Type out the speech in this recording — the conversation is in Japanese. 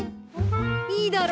いいだろ！